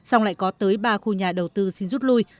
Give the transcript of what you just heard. xong lại có tới ba khu nhà đầu tư xin rút lui